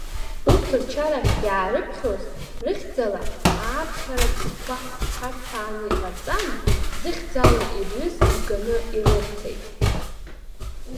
Урҭ рчарахь иаарԥхьоз, рыхьӡала ааԥхьаратә шәҟәқәа харҭәааны иҟарҵан, зыхьӡала ирҩыз иганы ирырҭеит.